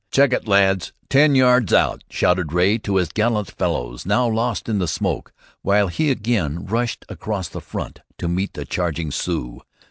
"Check it, lads, ten yards out!" shouted Ray, to his gallant fellows, now lost in the smoke, while he again rushed across the front to meet the charging Sioux.